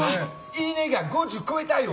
いいねが５０超えたよ！